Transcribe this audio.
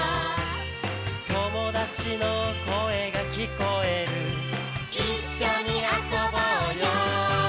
「友達の声が聞こえる」「一緒に遊ぼうよ」